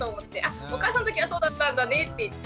お母さんのときはそうだったんだねって言って。